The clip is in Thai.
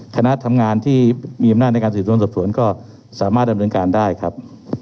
คณะทำงานที่มีอำนาจในการสืบสวนสอบสวนก็สามารถดำเนินการได้ครับ